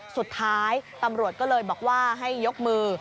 สุดท้ายตำรวจก็เลยบอกว่าให้ยกมือ